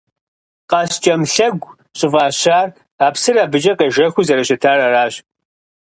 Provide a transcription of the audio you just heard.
«Къаскӏэм лъэгу» щӏыфӏащар а псыр абыкӏэ къежэхыу зэрыщытар аращ.